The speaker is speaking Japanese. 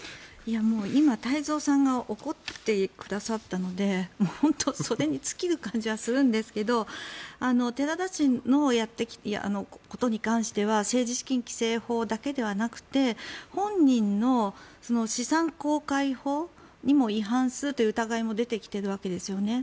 今、太蔵さんが怒ってくださったのでそれに尽きる感じはするんですけど寺田氏のことに関しては政治資金規正法だけではなくて本人の資産公開法にも違反するという疑いも出てきているわけですよね。